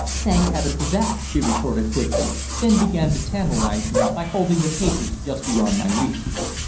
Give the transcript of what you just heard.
'" "Thank heaven for that," she retorted quickly, then began to tantalize me by holding the papers just beyond my reach.